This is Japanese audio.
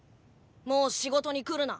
もう仕事に来るな。